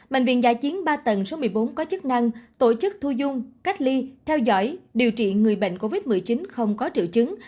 bệnh viện giả chiến ba tầng số một mươi bốn có chức năng tổ chức thu dung cách ly theo dõi điều trị người bệnh covid một mươi chín không có triệu chứng